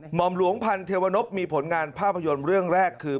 หมอมหลวงพันธ์เทวนพมีผลงานภาพยนตร์เรื่องแรกคือ